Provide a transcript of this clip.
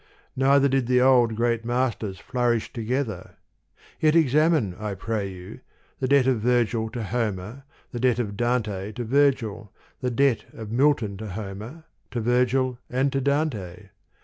Neither did the old, great masters flourish together : yet examine, I pray you, the debt of Virgil to Homer, the debt of Dante to Virgil, the debt of Milton to Homer, to Virgil, and to Dante.